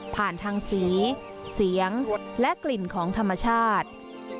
ผ่านทางสีเสียงและกลิ่นของธรรมชาติ